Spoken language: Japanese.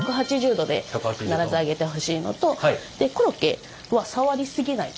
１８０度で必ず揚げてほしいのとでコロッケは触りすぎない。